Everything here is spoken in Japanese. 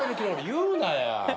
言うなや！